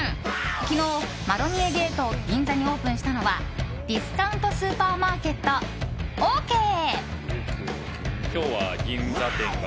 昨日、マロニエゲート銀座にオープンしたのはディスカウントスーパーマーケット、オーケー！